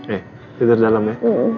eh tidur dalam ya